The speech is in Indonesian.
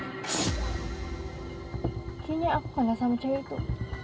kayaknya aku kan asal macam itu